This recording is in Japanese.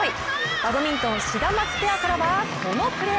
バドミントン、シダマツペアからはこのプレー。